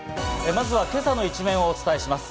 まずは今朝の一面をお伝えします。